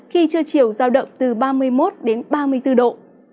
khi chưa chiều rào động từ ba mươi một ba mươi bốn độ